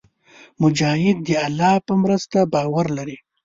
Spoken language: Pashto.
مجاهد د الله پر مرسته باور لري.